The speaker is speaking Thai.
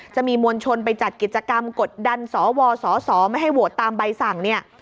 จะมีมวลชนไปจัดกิจกรรมกดดันสวสสไม่ให้โหวตตามใบสั่งเนี่ย